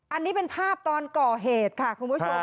อันนี้เป็นภาพตอนก่อเหตุค่ะคุณผู้ชม